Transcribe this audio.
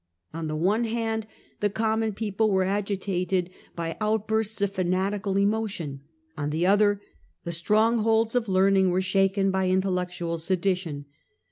On the one liand, the common people were agitated by outbursts of fanatical emotion, on the other, the strongholds of learning were shaken by intellectual sedition.